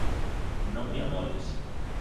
Non me amoles